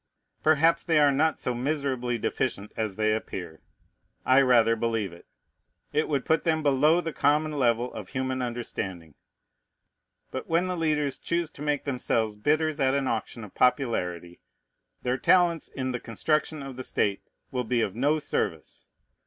Perhaps they are not so miserably deficient as they appear. I rather believe it. It would put them below the common level of human understanding. But when the leaders choose to make themselves bidders at an auction of popularity, their talents, in the construction of the state, will be of no service.